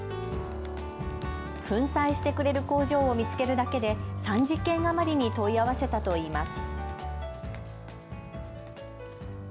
粉砕してくれる工場を見つけるだけで３０件余りに問い合わせたといいます。